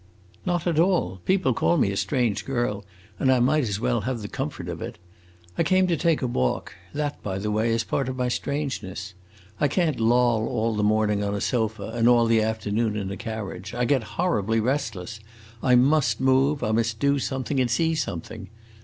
"Not at all! People call me a strange girl, and I might as well have the comfort of it. I came to take a walk; that, by the way, is part of my strangeness. I can't loll all the morning on a sofa, and all the afternoon in a carriage. I get horribly restless. I must move; I must do something and see something.